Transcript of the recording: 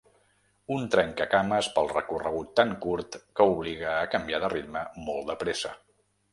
Un trencacames pel recorregut tant curt que obliga a canviar de ritme molt depresa.